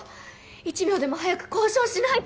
一秒でも早く交渉しないと！